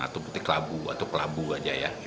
seperti kelabu atau kelabu saja ya